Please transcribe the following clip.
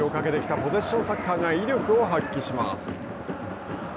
ポゼッションサッカーが威力を発揮します。